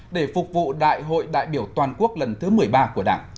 để phục vụ đại hội đại biểu toàn quốc lần thứ một mươi ba của đảng